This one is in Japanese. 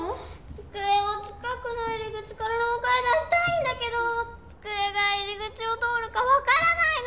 つくえを近くの入り口からろうかへ出したいんだけどつくえが入り口を通るかわからないの！